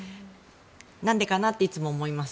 なんでかなっていつも思います。